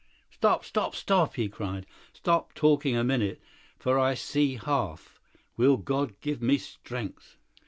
"Stop, stop, stop!" he cried; "stop talking a minute, for I see half. Will God give me strength?